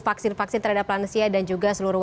vaksin vaksin terhadap lansia dan juga seluruh